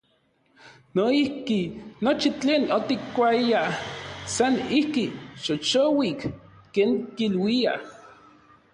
Noijki, nochi tlen otikkuayaj san ijki, “xoxouik”, ken kiluiaj.